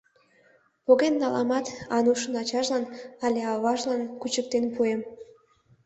Поген наламат, Анушын ачажлан але аважлан кучыктен пуэм.